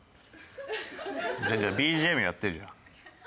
じゃあじゃあＢＧＭやってよじゃあ。